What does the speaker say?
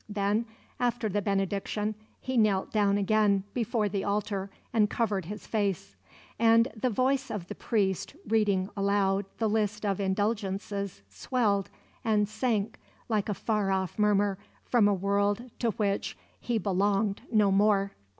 Then, after the benediction, he knelt down again before the altar and covered his face; and the voice of the priest reading aloud the list of indulgences swelled and sank like a far off murmur from a world to which he belonged no more.